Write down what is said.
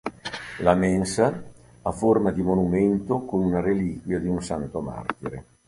La mensa ha forma di monumento con la reliquia di un santo martire.